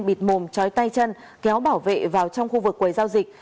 bịt mồm trói tay chân kéo bảo vệ vào trong khu vực quầy giao dịch